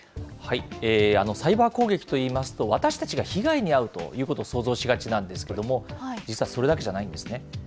サイバー攻撃といいますと、私たちが被害に遭うということを想像しがちなんですけれども、実はそれだけじゃないんですね。